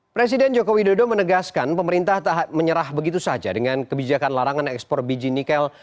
presiden joko widodo menegaskan pemerintah tak menyerah begitu saja dengan kebijakan larangan ekspor biji nikel